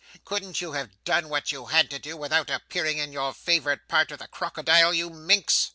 Couldn't you have done what you had to do, without appearing in your favourite part of the crocodile, you minx?